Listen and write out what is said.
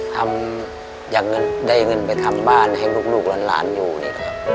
ทำอยากเงินได้เงินไปทำบ้านให้ลูกลูกร้านร้านอยู่นี่แหละ